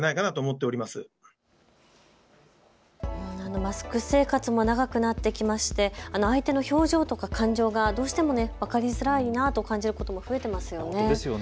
マスク生活も長くなってきまして相手の表情とか感情がどうしても分かりづらいなと感じることも増えていますよね。